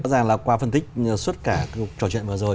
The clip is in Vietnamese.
rõ ràng là qua phân tích suốt cả trò chuyện vừa rồi